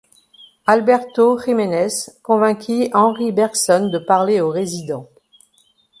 Alberto Jiménez convainquit Henri Bergson de parler aux résidents.